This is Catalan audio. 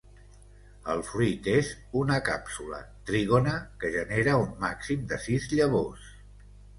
El fruit és una càpsula trígona que genera un màxim de sis llavors.